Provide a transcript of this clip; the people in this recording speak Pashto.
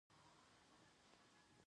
مار څنګه زهر پاشي؟